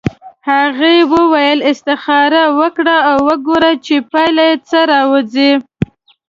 هغې وویل استخاره وکړه او وګوره چې پایله یې څه راوځي.